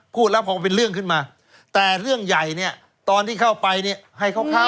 พูดแล้วพอมันเป็นเรื่องขึ้นมาแต่เรื่องใหญ่ตอนที่เข้าไปให้เข้าเข้า